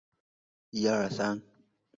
辽宁冠蛭蚓为蛭蚓科冠蛭蚓属的动物。